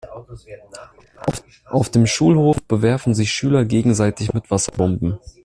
Auf dem Schulhof bewerfen sich Schüler gegenseitig mit Wasserbomben.